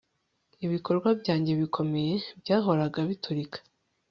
ibikorwa byanjye bikomeye byahoraga biturika